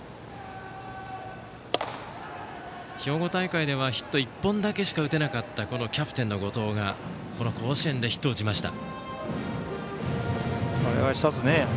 兵庫大会ではヒットを１本だけしか打てなかったキャプテンの後藤がこの甲子園でヒットを打ちました。